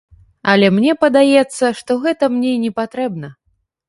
Але мне падаецца, што гэта мне і не патрэбна.